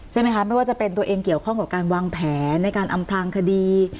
ใช่ไหมคะไม่ว่าจะเป็นตัวเองเกี่ยวข้องกับการวางแผนในการอำพลางคดี